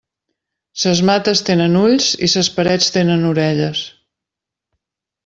Ses mates tenen ulls i ses parets tenen orelles.